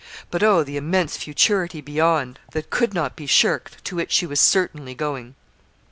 But, oh! the immense futurity beyond, that could not be shirked, to which she was certainly going.